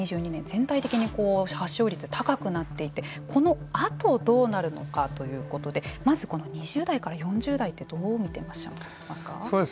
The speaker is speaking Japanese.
全体的に発症率が高くなっていてこのあとどうなるのかということでまず２０代から４０代ってどう見てらっしゃいますか。